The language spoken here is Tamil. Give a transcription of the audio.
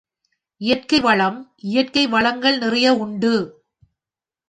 இயற்கை வளம் இயற்கை வளங்கள் நிறைய உண்டு.